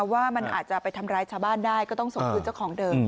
ว่ามันอาจจะไปทำร้ายชาวบ้านได้ก็ต้องส่งคืนเจ้าของเดิม